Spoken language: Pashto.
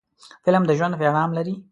فلم د ژوند پیغام لري